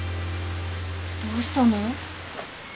どうしたの？